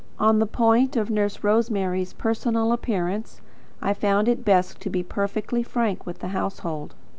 On the point of Nurse Rosemary's personal appearance, I found it best to be perfectly frank with the household.